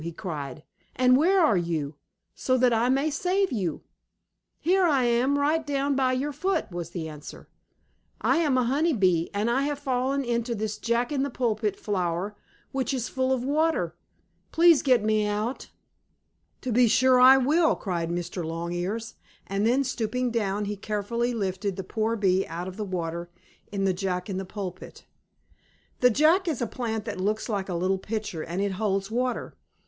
he cried. "And where are you, so that I may save you?" "Here I am, right down by your foot!" was the answer. "I am a honey bee, and I have fallen into this Jack in the pulpit flower, which is full of water. Please get me out!" "To be sure I will!" cried Mr. Longears, and then, stooping down he carefully lifted the poor bee out of the water in the Jack in the pulpit. The Jack is a plant that looks like a little pitcher and it holds water.